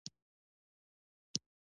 پنېر د افغانستان په کلیو کې جوړېږي.